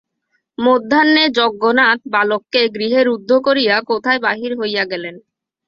মধ্যাহ্নে যজ্ঞনাথ বালককে গৃহে রুদ্ধ করিয়া কোথায় বাহির হইয়া গেলেন।